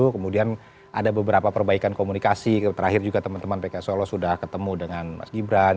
kemudian ada beberapa perbaikan komunikasi terakhir juga teman teman pks solo sudah ketemu dengan mas gibran